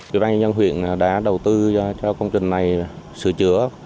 chủ đoàn nhân dân huyện đã đầu tư cho công trình này sửa chữa